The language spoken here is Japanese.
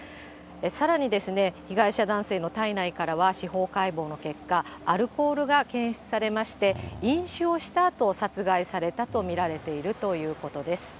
さらにですね、被害者男性の体内からは、司法解剖の結果、アルコールが検出されまして、飲酒をしたあと、殺害されたと見られているということです。